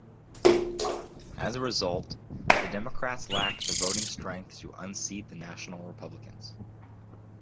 As a result, the Democrats lacked the voting strength to unseat the National Republicans.